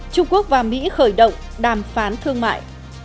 trung quốc và mỹ khởi động đàm phán thương mại